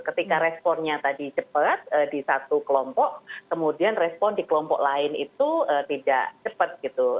ketika responnya tadi cepat di satu kelompok kemudian respon di kelompok lain itu tidak cepat gitu